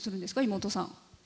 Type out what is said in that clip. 妹さん。